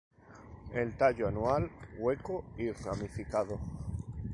El tallo anual, hueco y ramificado.